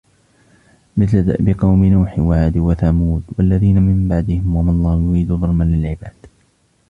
مِثْلَ دَأْبِ قَوْمِ نُوحٍ وَعَادٍ وَثَمُودَ وَالَّذِينَ مِنْ بَعْدِهِمْ وَمَا اللَّهُ يُرِيدُ ظُلْمًا لِلْعِبَادِ